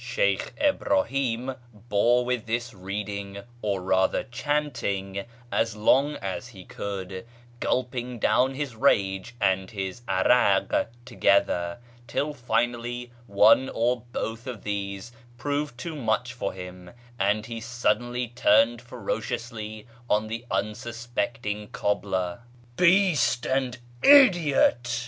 Sheykh Ibrahim bore with this reading, or rather chanting, as long as he could, gulping down his rage and bis 'arak together, till finally one or both of these proved too much for liim, and he suddenly turned ferociously on the unsuspecting (■(jbbler. " Beast and idiot